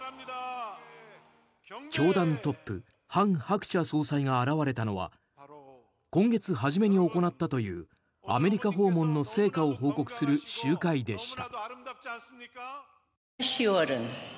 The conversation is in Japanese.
教団トップハン・ハクチャ総裁が現れたのは今月初めに行ったというアメリカ訪問の成果を報告する集会でした。